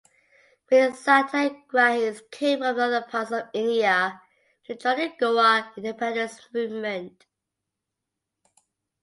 Many satyagrahis came from other parts of India to join the Goa independence movement.